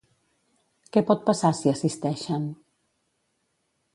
Què pot passar si assisteixen?